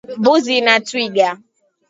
Mbuzi na twiga